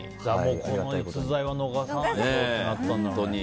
この逸材は逃さないぞってなったんだ。